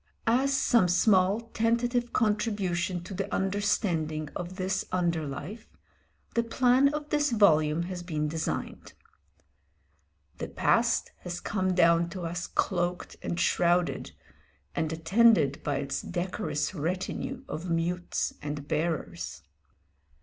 As some small, tentative contribution to the understanding of this under life, the plan of this volume has been designed. The past has come down to us cloaked and shrouded, and attended by its decorous retinue of mutes and bearers.